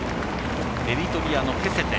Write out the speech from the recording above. エリトリアのケセテ。